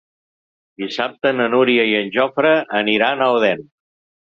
Dissabte na Núria i en Jofre aniran a Odèn.